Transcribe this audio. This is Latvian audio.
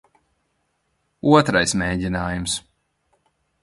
Otrais mēģinājums.